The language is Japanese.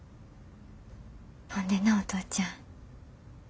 ほんでなお父ちゃん。